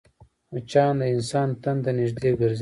مچان د انسان تن ته نږدې ګرځي